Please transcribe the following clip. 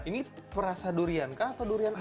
ini perasa durian kah atau durian apa